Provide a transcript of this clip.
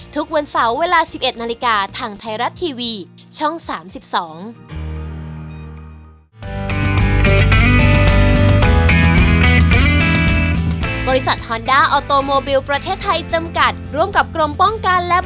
ทุกวันเสาร์เวลาสิบเอ็ดนาฬิกาทางไทยรัฐทีวีช่อง๓๒